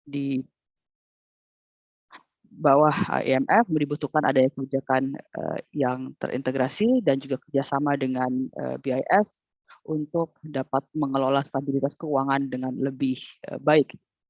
di bawah imf dibutuhkan adanya kebijakan yang terintegrasi dan juga kerjasama dengan bis untuk dapat mengelola stabilitas keuangan dengan lebih baik